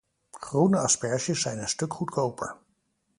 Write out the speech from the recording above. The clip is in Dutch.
Groene asperges zijn een stuk goedkoper.